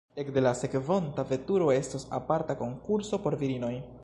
Ekde la sekvonta veturo estos aparta konkurso por virinoj.